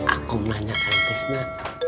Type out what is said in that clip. aku mau tanya kang tisna